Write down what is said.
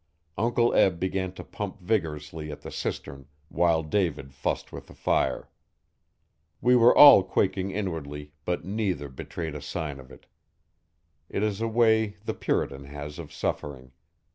Uncle Eb began to pump vigorously at the cistern while David fussed with the fire. We were all quaking inwardly but neither betrayed a sign of it. It is a way the Puritan has of suffering.